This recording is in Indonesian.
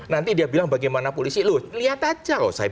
nanti dia bilang bagaimana polisi lihat aja kok